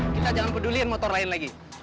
kita jangan peduliin motor lain lagi